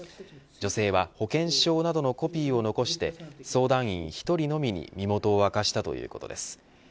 女性は保険証などのコピーを残して相談員１人のみに身元を明かしたということです。